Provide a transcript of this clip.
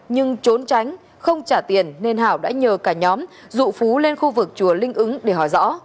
nhưng trốn tránh không trả tiền nên hảo đã nhờ cả nhóm dụ phú lên khu vực chùa linh ứng để hỏi rõ